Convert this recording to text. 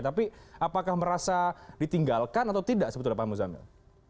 tapi apakah merasa ditinggalkan atau tidak sebetulnya pak muzamil